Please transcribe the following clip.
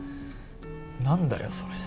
何だよそれ。